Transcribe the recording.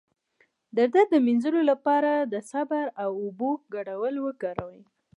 د درد د مینځلو لپاره د صبر او اوبو ګډول وکاروئ